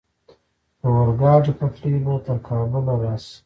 د اورګاډي پټلۍ به تر کابل راشي؟